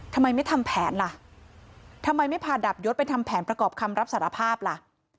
ทำไมไม่ทำแผนล่ะทำไมไม่พาดาบยศไปทำแผนประกอบคำรับสารภาพล่ะ